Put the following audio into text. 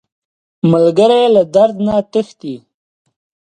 ملګری له درده نه تښتي